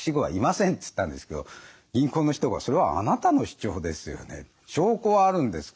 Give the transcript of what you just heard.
つったんですけど銀行の人が「それはあなたの主張ですよね。証拠はあるんですか？」